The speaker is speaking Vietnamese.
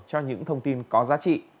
cho những thông tin có giá trị